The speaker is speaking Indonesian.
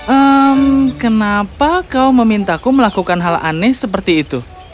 ehm kenapa kau memintaku melakukan hal aneh seperti itu